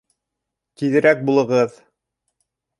— Тиҙерәк булығыҙ!